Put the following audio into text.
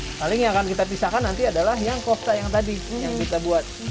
nah kali ini yang akan kita pisahkan nanti adalah yang kofta yang tadi yang kita buat